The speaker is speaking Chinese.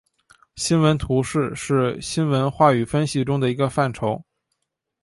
新闻图式是新闻话语分析中的一个范畴。